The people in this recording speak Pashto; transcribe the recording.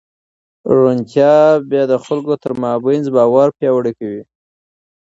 روڼتیا بیا د خلکو ترمنځ باور پیاوړی کوي.